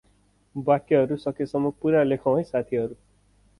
वाक्यहरु सकेसम्म पुरा लेखौ है साथीहरु ।